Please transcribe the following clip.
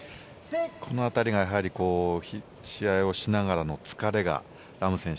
この辺りが試合をしながらの疲れがラム選手